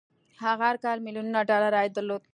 هغه هر کال ميليونونه ډالر عايد درلود.